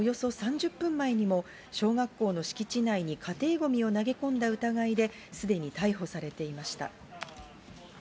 阿部容疑者は小学校周辺に住んでいて、事件のおよそ３０分前にも小学校の敷地内に家庭ごみを投げ込んだ疑いですでに逮捕されていました。